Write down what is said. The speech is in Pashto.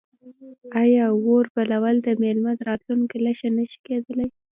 آیا اور بلول د میلمه د راتلو نښه نه کیدی شي؟